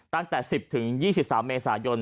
ตั้งแต่๑๐๒๓เมษายน